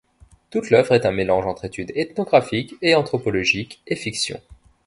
Toute l'œuvre est un mélange entre études ethnographique et anthropologique, et fiction.